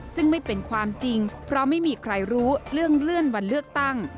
ซึ่งไม่เป็นความจริงเพราะไม่มีใครรู้เรื่องเลื่อนวันเลือกตั้ง